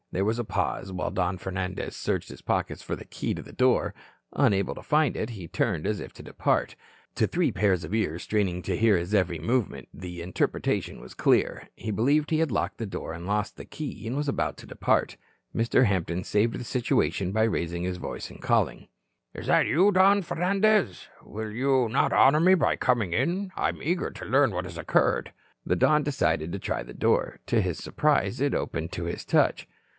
There was a pause, while Don Fernandez searched his pockets for the key to the door. Unable to find it, he turned as if to depart. To three pairs of ears, straining to hear his every movement, the interpretation was clear. He believed he had locked the door and lost the key and was about to depart. Mr. Hampton saved the situation by raising his voice, and calling: "Is that you, Don Fernandez? Will you not honor me by coming in? I am eager to learn what has occurred." The Don decided to try the door. To his surprise, it opened to his touch.